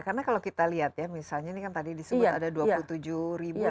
karena kalau kita lihat ya misalnya ini kan tadi disebut ada dua puluh tujuh ribu